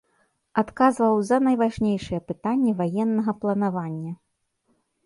Адказваў за найважнейшыя пытанні ваеннага планавання.